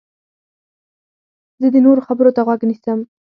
زه د نورو خبرو ته غوږ نیسم.